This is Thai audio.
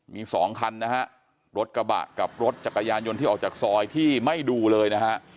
มีสองคันนะฮะรถกระบะกับรถจักรยานยนต์ที่ออกจากซอยที่ไม่ดูเลยนะฮะ